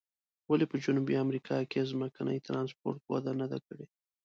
ولې په جنوبي امریکا کې ځمکني ترانسپورت وده نه ده کړې؟